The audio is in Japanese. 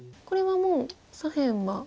これはもう左辺は。